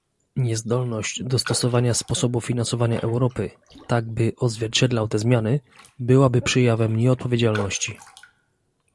Niezdolność dostosowania sposobu finansowania Europy, tak by odzwierciedlał te zmiany, byłaby przejawem nieodpowiedzialności